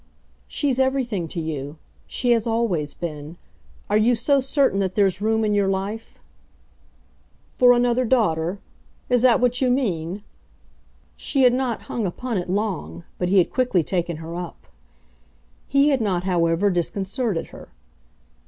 "She's everything to you she has always been. Are you so certain that there's room in your life ?" "For another daughter? is that what you mean?" She had not hung upon it long, but he had quickly taken her up. He had not, however, disconcerted her.